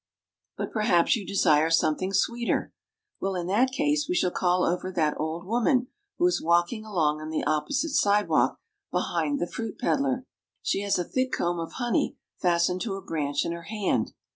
But perhaps you desire something sweeter ! Well, in that case we shall call over that old woman, who is walk ing along on the opposite sidewalk behind the fruit ped dler. She has a thick comb of honey fastened to a branch in her hand.